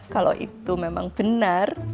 kalau itu memang benar